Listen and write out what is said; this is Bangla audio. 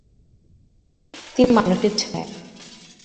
তিনি মানুষের ছায়া।